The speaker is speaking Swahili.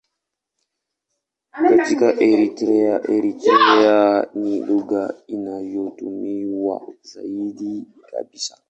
Katika Eritrea ni lugha inayotumiwa zaidi kabisa.